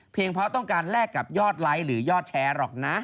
เพราะต้องการแลกกับยอดไลค์หรือยอดแชร์หรอกนะ